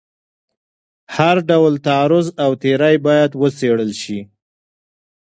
هر ډول تعرض او تیری باید وڅېړل شي.